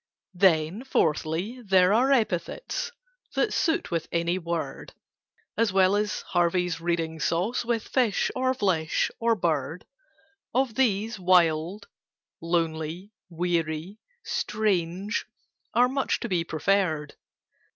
"Then fourthly, there are epithets That suit with any word— As well as Harvey's Reading Sauce With fish, or flesh, or bird— Of these, 'wild,' 'lonely,' 'weary,' 'strange,' Are much to be preferred."